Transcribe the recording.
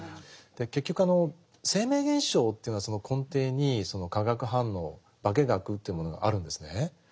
結局生命現象というのはその根底にその化学反応化け学というものがあるんですね。